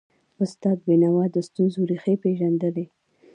استاد بینوا د ستونزو ریښې پېژندلي.